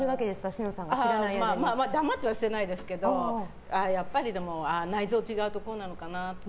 志乃さんが黙っては捨てないですけどやっぱり、内臓違うとこうなのかなって。